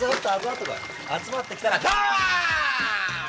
集まってきたらダーッ！